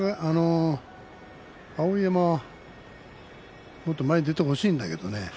碧山はもっと前に出てほしいんだけどね。